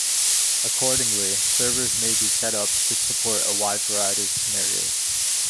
Accordingly, servers may be set up to support a wide variety of scenarios.